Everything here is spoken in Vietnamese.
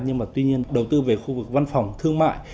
nhưng mà tuy nhiên đầu tư về khu vực văn phòng thương mại